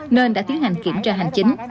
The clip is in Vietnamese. nên đã tiến hành kiểm tra hành chính